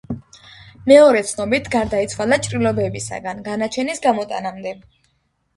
მეორე ცნობით გარდაიცვალა ჭრილობებისაგან განაჩენის გამოტანამდე.